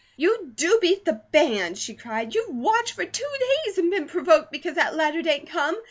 "You do beat the band!" she cried. "You've watched for two days and been provoked because that letter didn't come.